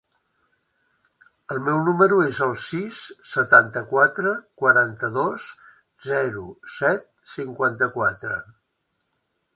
El meu número es el sis, setanta-quatre, quaranta-dos, zero, set, cinquanta-quatre.